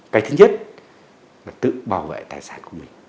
cái thứ nhất là tự bảo vệ tài sản của mình